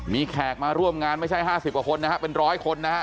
มีแขกมาร่วมงานไม่ใช่๕๐กว่าคนนะฮะเป็นร้อยคนนะฮะ